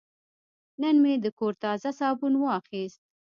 نن مې د کور تازه صابون واخیست.